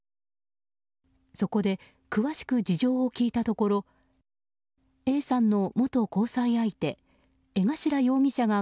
そこで詳しく事情を聴いたところＡさんの元交際相手江頭容疑者が